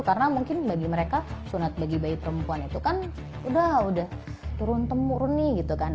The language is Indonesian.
karena mungkin bagi mereka sunat bagi bayi perempuan itu kan udah turun temur nih gitu kan